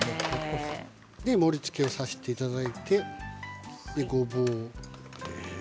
盛りつけをさせていただいて、ごぼうを。